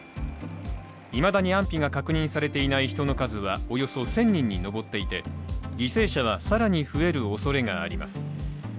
いまだに安否が確認されていない人の数はおよそ１０００人に上っていて犠牲者は更に増えるおそれがあります。